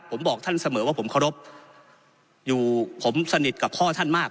ผมบอกท่านเสมอว่าผมเคารพอยู่ผมสนิทกับพ่อท่านมาก